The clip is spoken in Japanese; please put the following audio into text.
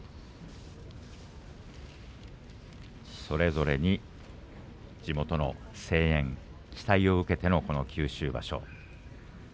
それぞれに地元の声援期待を受けての九州場所。